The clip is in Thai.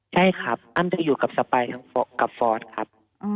ใช่ครับอ้ำจะอยู่กับสปายทั้งกับฟอสครับ